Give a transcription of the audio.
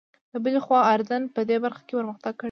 له بلې خوا اردن په دې برخه کې پرمختګ کړی دی.